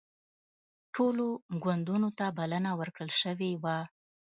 ټولو ګوندونو ته بلنه ورکړل شوې وه